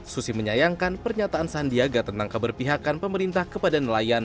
susi menyayangkan pernyataan sandiaga tentang keberpihakan pemerintah kepada nelayan